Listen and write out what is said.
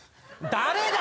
誰だ！